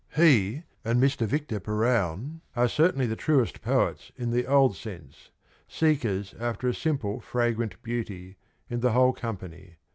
He and Mr. Victor Perowne are certainly the truest poets in the old sense — seekers after a simple fragrant beauty — in the whole company.